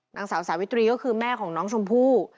นางสาวสาวิตรีก็คือแม่ของน้องชมพู่